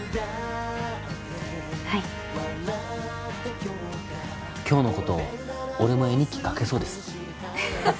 はい今日のこと俺も絵日記描けそうです